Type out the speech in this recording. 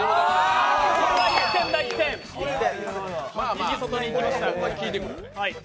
右外へいきました。